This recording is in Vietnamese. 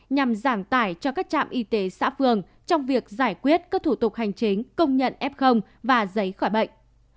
nhằm giảm tải cho các trạm y tế xã phường trong việc giải quyết các thủ tục hành chính công nhận f và giấy khỏi bệnh